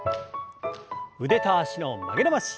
腕と脚の曲げ伸ばし。